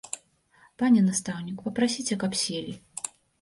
Пане настаўнік, папрасіце, каб селі.